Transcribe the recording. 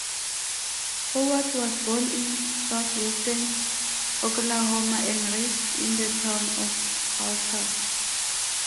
Howard was born in Southwestern Oklahoma and raised in the town of Altus.